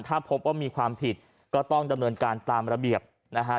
ถ้าพบว่ามีความผิดก็ต้องดำเนินการตามระเบียบนะฮะ